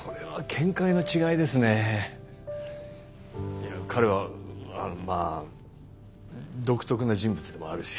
いや彼はまあ独特な人物でもあるし。